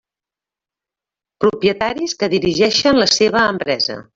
Propietaris que dirigeixen la seva empresa.